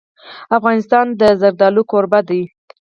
افغانستان د زردالو کوربه دی.